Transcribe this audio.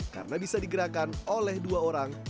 karena bisa digerakkan oleh dua orang